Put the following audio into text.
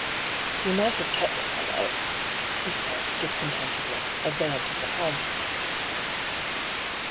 " You might have kept the fellow,'* he said, discon tentedly, as they entered the house.